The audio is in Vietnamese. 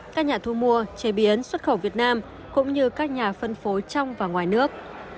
các nhà thu mua chế biến xuất khẩu việt nam cũng như các nhà phân phối trong và ngoài nước